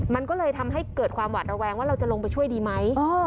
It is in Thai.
มันก็เลยทำให้เกิดความหวาดระแวงว่าเราจะลงไปช่วยดีไหม